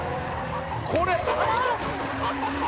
「これ！」